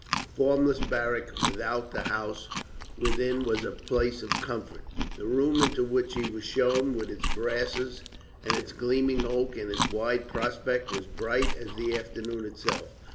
A formless barrack without, the house within was a place of comfort. The room into which he was shown, with its brasses and its gleaming oak and its wide prospect, was bright as the afternoon itself.